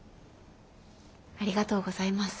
ありがとうございます。